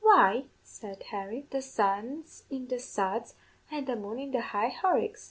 "'Why,' said Harry, 'the sun's in the suds an' the moon in the high Horicks!